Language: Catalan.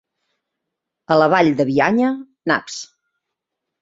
A la Vall de Bianya, naps.